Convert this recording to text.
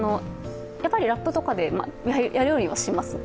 やはりラップとかでやるようにはします。